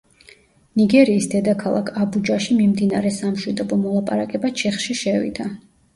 ნიგერიის დედაქალაქ აბუჯაში მიმდინარე სამშვიდობო მოლაპარაკება ჩიხში შევიდა.